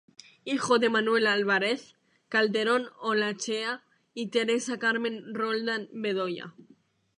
Hijo de Manuel Álvarez-Calderón Olaechea y Teresa Carmen Roldán Bedoya.